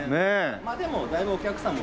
まあでもだいぶお客さん